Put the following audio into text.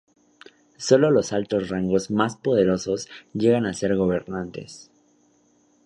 Solo los Altos Rangos más poderosos llegan a ser gobernantes.